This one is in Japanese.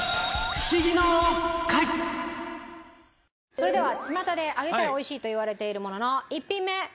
それではちまたで揚げたら美味しいといわれているものの１品目。